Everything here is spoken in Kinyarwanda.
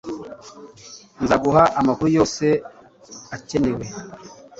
nzaguha amakuru yose akenewe